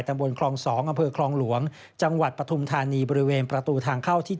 บนคลอง๒อำเภอคลองหลวงจังหวัดปฐุมธานีบริเวณประตูทางเข้าที่๗